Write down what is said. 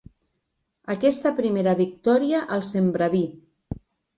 Aquesta primera victòria els embraví.